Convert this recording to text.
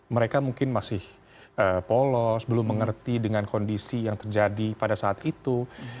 mereka mungkin masih polos belum mengerti dengan kondisi yang terjadi pada saat itu